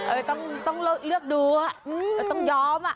เออต้องเลือกดูต้องยอม